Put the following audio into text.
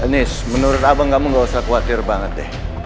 anies menurut abang kamu nggak usah khawatir banget deh